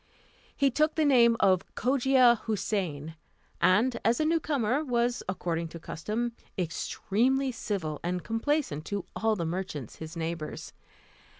He took the name of Cogia Houssain, and, as a new comer, was, according to custom, extremely civil and complaisant to all the merchants his neighbours.